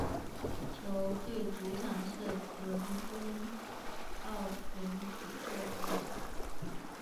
球队主场是伦敦奥林匹克体育场。